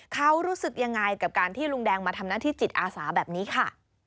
เขารู้สึกยังไงกับการที่ลุงแดงมาทำหน้าที่จิตอาสาแบบนี้ค่ะ